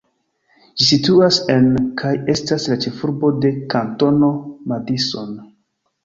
Ĝi situas en, kaj estas la ĉefurbo de, Kantono Madison.